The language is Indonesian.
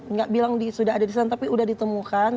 nggak bilang sudah ada di sana tapi sudah ditemukan